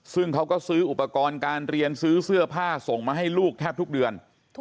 ซึ่งเขาก็ซื้ออุปกรณ์การเรียนซื้อเสื้อผ้าส่งมาให้ลูกแทบทุกเดือน